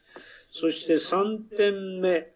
そして３点目。